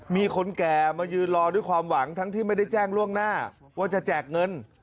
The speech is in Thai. มีคนแก่มายืนรอด้วยความหวังทั้งที่ไม่ได้แจ้งล่วงหน้าว่าจะแจกเงิน